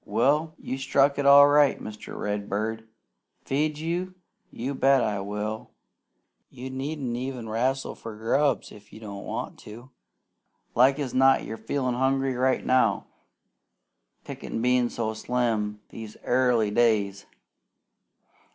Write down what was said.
Well, you struck it all right, Mr. Redbird. Feed you? You bet I will! You needn't even 'rastle for grubs if you don't want to. Like as not you're feelin' hungry right now, pickin' bein' so slim these airly days.